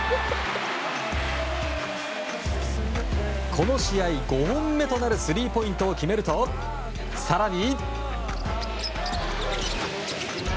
この試合５本目となるスリーポイントを決めると更に。